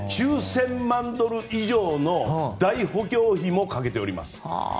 ９０００万ドル以上の大補強費もかけております。